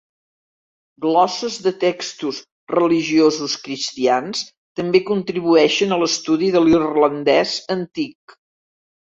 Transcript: Glosses de textos religiosos cristians també contribueixen a l'estudi de l'irlandès antic.